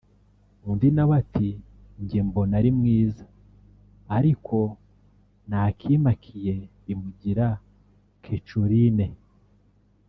undi nawe Ati “Njye mbona ari mwiza Ariko nakimakiye bimugira kecurine”